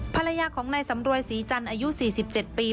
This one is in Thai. ภรรยาของนายสำรวยศรีจันทร์อายุ๔๗ปี